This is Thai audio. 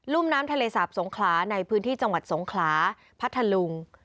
ุ่มน้ำทะเลสาบสงขลาในพื้นที่จังหวัดสงขลาพัทธลุง